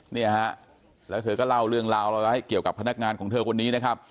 เนี่ยฮะแล้วเธอก็เล่าเรื่องราวอะไรไว้เกี่ยวกับพนักงานของเธอคนนี้นะครับ